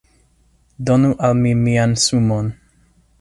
Donu al mi mian sumon